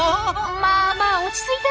まあまあ落ち着いて！